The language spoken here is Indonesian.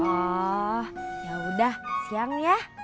oh ya udah siang ya